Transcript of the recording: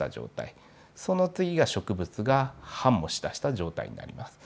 その次が植物が繁茂しだした状態になります。